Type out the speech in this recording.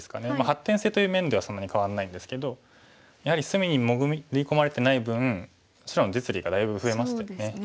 発展性という面ではそんなに変わらないんですけどやはり隅に潜り込まれてない分白の実利がだいぶ増えましたよね。